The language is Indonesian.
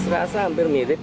rasa hampir mirip